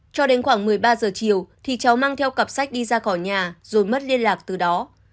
cho đến khoảng một mươi ba giờ chiều thì cháu mang theo cặp sách đi ra khỏi nhà rồi mất liên lạc từ đó